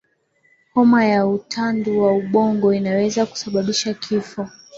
homa ya utandu wa ubongo inaweza kusababisha kifo